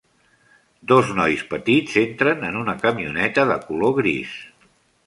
Dos nois petits entren en una camioneta de color gris.